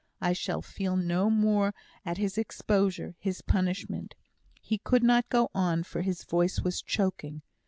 I shall feel no more at his exposure his punishment " He could not go on, for his voice was choking.